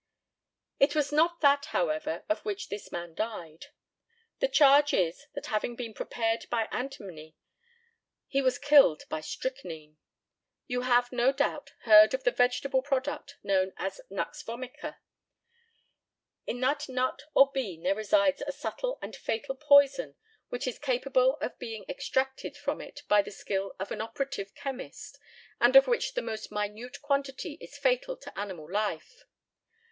It was not that, however, of which this man died. The charge is, that having been prepared by antimony, he was killed by strychnine. You have, no doubt, heard of the vegetable product known as nux vomica. In that nut or bean there resides a subtle and fatal poison which is capable of being extracted from it by the skill of the operative chemist, and of which the most minute quantity is fatal to animal life.